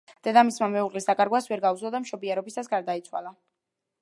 დედამისმა მეუღლის დაკარგვას ვერ გაუძლო და მშობიარობისას გარდაიცვალა.